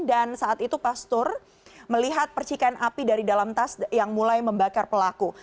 dan saat itu pastor melihat percikan api dari dalam tas yang mulai membakar pelaku